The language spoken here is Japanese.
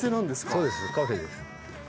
そうですカフェです。